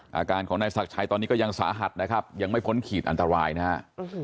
อาการของนายศักดิ์ชัยตอนนี้ก็ยังสาหัสนะครับยังไม่พ้นขีดอันตรายนะฮะ